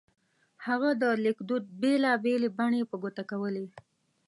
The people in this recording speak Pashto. هغه د لیکدود بېلا بېلې بڼې په ګوته کولې.